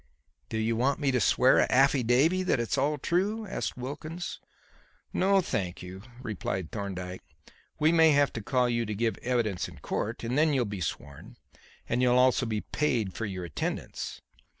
"Do you want me to swear a affidavy that it's all true?" asked Wilkins. "No, thank you," replied Thorndyke. "We may have to call you to give evidence in court, and then you'll be sworn; and you'll also be paid for your attendance.